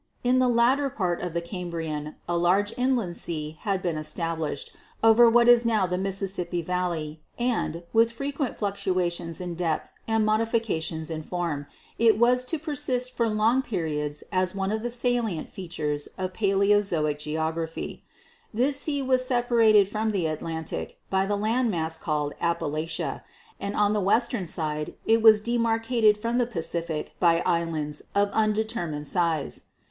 In the latter part of the Cambrian a great inland sea had been estab lished over what is now the Mississippi valley and, with frequent fluctuations in depth and modifications in form, it was to persist for long periods as one of the salient fea tures of Paleozoic geography. This sea was separated from the Atlantic by the land mass called Appalachia, and on the western side it was demarcated from the Pacific by islands of undetermined size.